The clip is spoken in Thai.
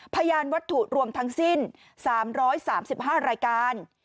พยานวัตถุรวมทั้งสิ้น๓๓๕รายการ